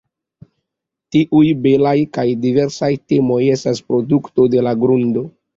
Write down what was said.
Tiuj belaj kaj diversaj temoj estas produkto de la grundo.